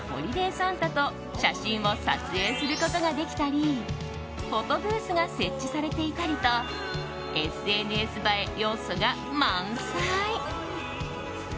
サンタと写真を撮影することができたりフォトブースが設置されていたりとＳＮＳ映え要素が満載！